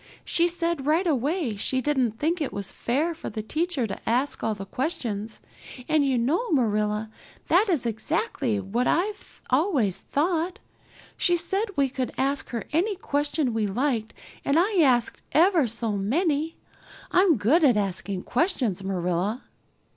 She said right away she didn't think it was fair for the teacher to ask all the questions, and you know, Marilla, that is exactly what I've always thought. She said we could ask her any question we liked and I asked ever so many. I'm good at asking questions, Marilla."